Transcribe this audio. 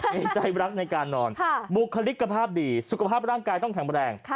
ในใจรักในการนอนบุคลิกภาพดีสุขภาพร่างกายต้องแข็งแรง